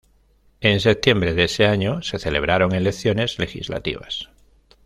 En septiembre de ese año se celebraron elecciones legislativas.